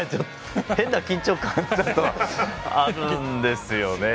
変な緊張感あるんですよね。